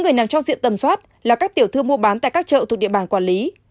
bốn người nằm trong diện tầm soát là các tiểu thương mua bán tại các chợ thuộc địa bàn quản lý